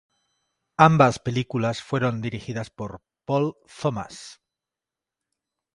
Ambas películas fueron dirigidas por Paul Thomas.